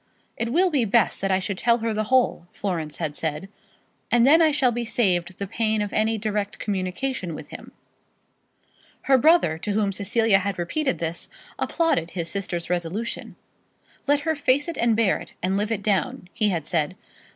"It will be best that I should tell her the whole," Florence had said, "and then I shall be saved the pain of any direct communication with him." Her brother, to whom Cecilia had repeated this, applauded his sister's resolution. "Let her face it and bear it, and live it down," he had said.